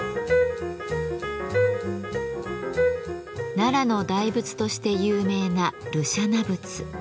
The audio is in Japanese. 奈良の大仏として有名な盧舎那仏。